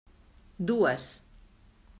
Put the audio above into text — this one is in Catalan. Dues.